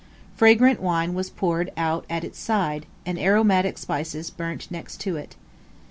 Fragrant wine was poured out at its side, and aromatic spices burnt next to it.